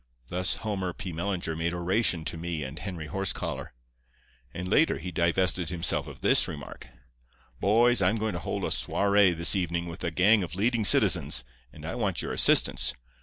"Thus Homer P. Mellinger made oration to me and Henry Horsecollar. And, later, he divested himself of this remark: "'Boys, I'm to hold a soirée this evening with a gang of leading citizens, and I want your assistance.